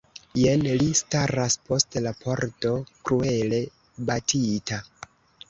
Jen li staras post la pordo, kruele batita!